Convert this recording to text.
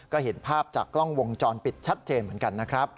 ก็เห็นภาพจากกล้องวงจรปิดชัดเจนเหมือนกันนะครับ